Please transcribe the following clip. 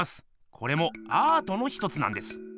これもアートの１つなんです。